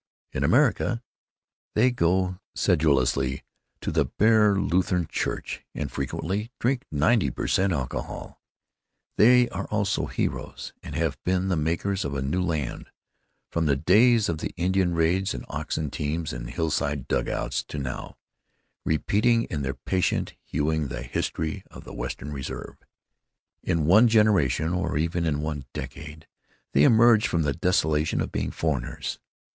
In America they go sedulously to the bare Lutheran church and frequently drink ninety per cent. alcohol. They are also heroes, and have been the makers of a new land, from the days of Indian raids and ox teams and hillside dug outs to now, repeating in their patient hewing the history of the Western Reserve.... In one generation or even in one decade they emerge from the desolation of being foreigners.